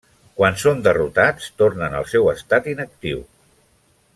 Quan són derrotats, tornen al seu estat inactiu.